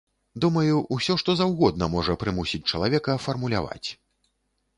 Думаю, усё што заўгодна можа прымусіць чалавека фармуляваць.